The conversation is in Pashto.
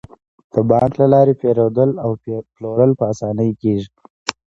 د بانک له لارې پيرودل او پلورل په اسانۍ کیږي.